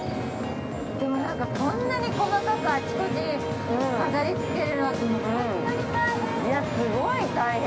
でもなんか、こんなに細かくあちこち飾り付けるのってどんなに大変？